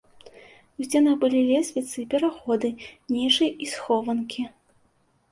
У сценах былі лесвіцы, пераходы, нішы і схованкі.